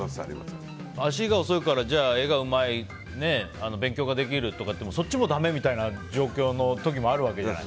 足が遅いから、絵がうまい勉強ができるかというとそっちもだめみたいな状況の時もあるわけじゃない？